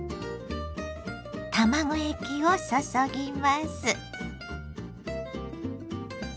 卵液を注ぎます。